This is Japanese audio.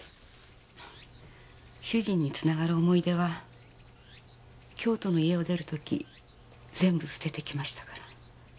主人につながる思い出は京都の家を出る時全部捨ててきましたから。